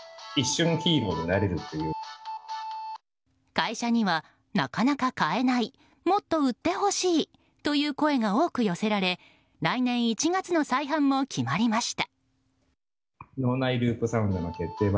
会社には、なかなか買えないもっと売ってほしいという声が多く寄せられ来年１月の再販も決まりました。